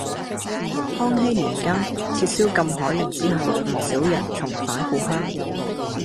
康熙年間撤銷禁海令之後，唔少人重返故鄉